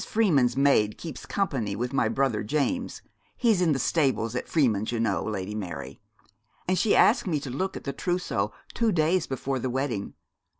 Freeman's maid keeps company with my brother James he's in the stables at Freeman's, you know, Lady Mary and she asked me in to look at the trousseau two days before the wedding.